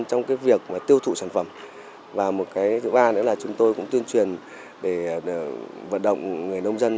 trong việc tiêu thụ sản phẩm và thứ ba nữa là chúng tôi cũng tuyên truyền để vận động người nông dân